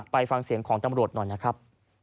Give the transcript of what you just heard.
ไปฟังเสียงของตำรวจหน่อยนะครับ